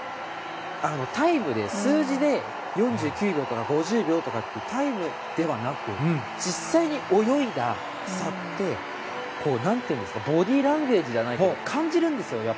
タイムで、数字で４９秒から５０っていうタイムではなく実際に泳いだ差ってボディーランゲージじゃないけど感じるんですよ。